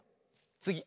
つぎ！